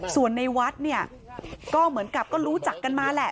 ส่วนในวัดเนี่ยก็เหมือนกับก็รู้จักกันมาแหละ